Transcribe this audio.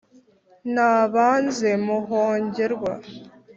nabanze muhongerwa